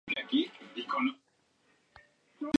Frank mata a los asesinos.